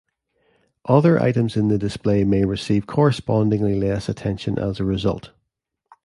Other items in the display may receive correspondingly less attention as a result.